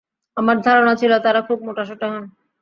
আমার ধারণা ছিল তাঁরা খুব মোটাসোটা হন।